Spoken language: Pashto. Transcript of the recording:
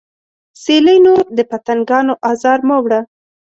سیلۍ نور د پتنګانو ازار مه وړه